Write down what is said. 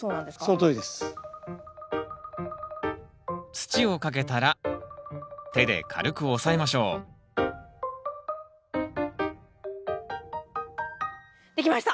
土をかけたら手で軽く押さえましょう出来ました！